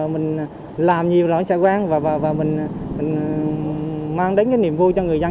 mình làm nhiều là cũng sẽ quen và mình mang đến cái niềm vui cho người dân